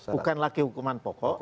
bukan lagi hukuman pokok